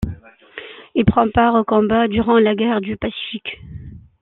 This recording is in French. Il prend part aux combats durant la guerre du Pacifique.